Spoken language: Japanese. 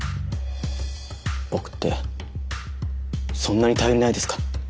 僕ってそんなに頼りないですか？